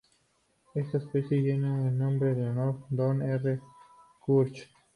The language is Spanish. Esta especie lleva el nombre en honor a Don R. Church.